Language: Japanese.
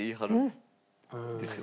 子ですよ。